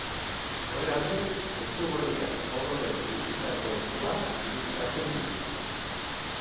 Horregatik, esku gorriak odolez bustitako eskua irudikatzen du.